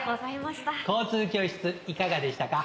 交通教室いかがでしたか？